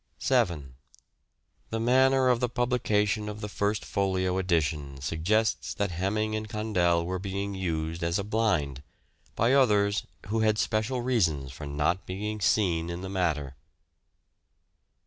7. The manner of the publication of the First Folio edition suggests that Heming and Condell were being used as a blind, by others who had special reasons for not being seen in the matter.